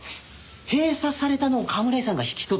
閉鎖されたのを甘村井さんが引き取って。